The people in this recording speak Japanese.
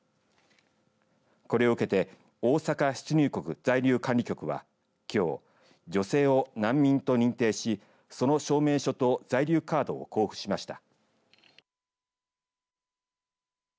これを受けて大阪出入国在留管理局はきょう女性を難民と認定しその証明書と在留カードを交付しました。